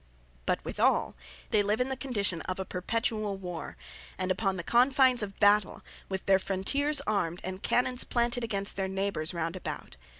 But withall, they live in the condition of a perpetuall war, and upon the confines of battel, with their frontiers armed, and canons planted against their neighbours round about.